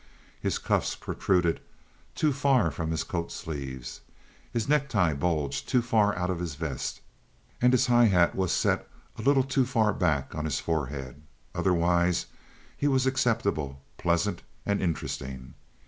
His cuffs protruded too far from his coat sleeves, his necktie bulged too far out of his vest, and his high hat was set a little too far back on his forehead; otherwise he was acceptable, pleasant, and interesting.